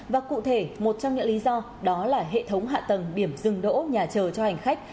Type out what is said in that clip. và cụ thể một trong những lý do đó là hệ thống hạ tầng điểm dừng đỗ nhà chờ cho hành khách